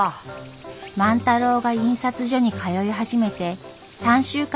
万太郎が印刷所に通い始めて３週間がたちました。